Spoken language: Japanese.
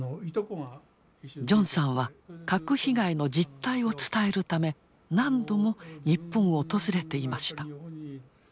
ジョンさんは核被害の実態を伝えるため何度も日本を訪れていました。